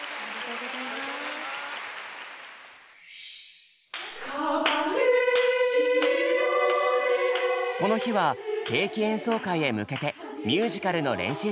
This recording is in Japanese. この日は定期演奏会へ向けてミュージカルの練習中。